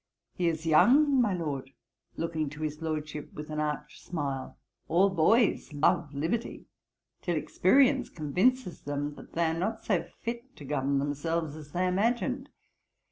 'He is young, my Lord; (looking to his Lordship with an arch smile) all boys love liberty, till experience convinces them they are not so fit to govern themselves as they imagined.